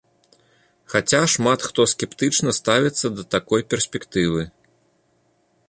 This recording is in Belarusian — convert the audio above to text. Хаця шмат хто скептычна ставіцца да такой перспектывы.